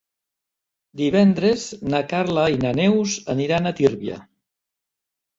Divendres na Carla i na Neus aniran a Tírvia.